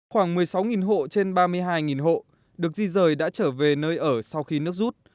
khoảng một mươi sáu hộ trên ba mươi hai hộ được di rời đã trở về nơi ở sau khi nước rút